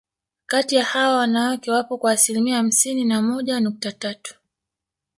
Kati ya hawa wanawake wapo kwa asilimia hamsini na moja nukta tatu